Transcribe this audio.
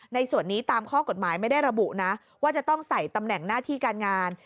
ในส่วนนี้ตามข้อกฎหมายไม่ได้ระบุนะว่าจะต้องใส่ตำแหน่งหน้าที่การงาน